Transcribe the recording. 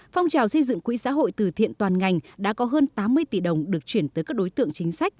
phong trào xây dựng quỹ xã hội từ thiện toàn ngành đã có hơn tám mươi tỷ đồng được chuyển tới các đối tượng chính sách